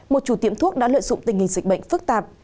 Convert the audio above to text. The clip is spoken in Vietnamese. một chủ tiệm thuốc đã lợi dụng tình hình dịch bệnh phức tạp